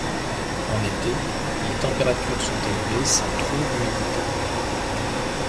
En été, les températures sont élevées sans trop d'humidité.